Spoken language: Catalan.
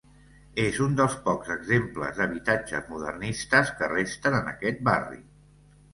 És un dels pocs exemples d'habitatges modernistes que resten en aquest barri.